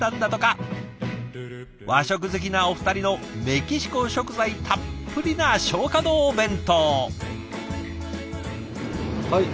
和食好きなお二人のメキシコ食材たっぷりな松花堂弁当。